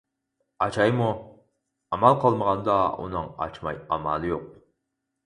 ئاچايمۇ؟ ئامال قالمىغاندا ئۇنىڭ ئاچماي ئامالى يوق.